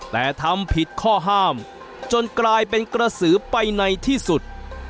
แต่ทำผิดข้อห้ามจนกลายเป็นกระสือไปในที่สุด